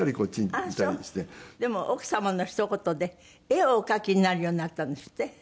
でも奥様のひと言で絵をお描きになるようになったんですって？